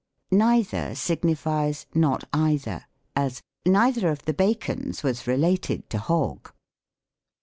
Neither signifies "not either;" as, ^^ Neither of the Bacons was related to Hogg."